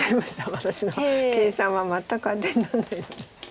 私の計算は全く当てにならない。